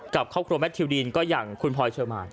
กับครอบครัวแมททิวดีนก็อย่างคุณพลอยเชอร์มาน